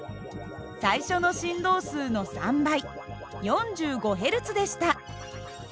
最初の振動数の３倍４５Ｈｚでした。